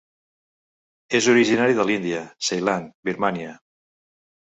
És originari de l'Índia, Ceilan, Birmània.